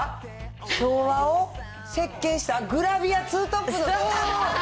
昭和を席けんしたグラビアツートップの。